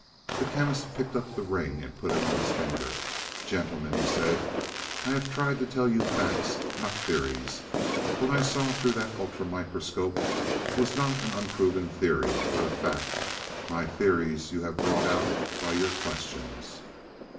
The Chemist picked up the ring and put it on his finger. "Gentlemen," he said. "I have tried to tell you facts, not theories. What I saw through that ultramicroscope was not an unproven theory, but a fact. My theories you have brought out by your questions."